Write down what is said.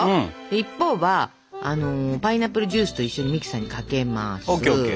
一方はあのパイナップルジュースと一緒にミキサーにかけます。